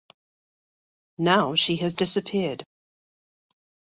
Now she has disappeared.